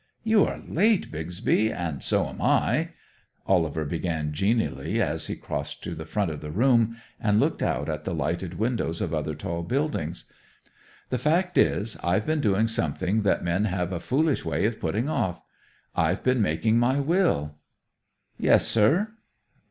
"You are late, Bixby, and so am I," Oliver began genially as he crossed to the front of the room and looked out at the lighted windows of other tall buildings. "The fact is, I've been doing something that men have a foolish way of putting off. I've been making my will." "Yes, sir."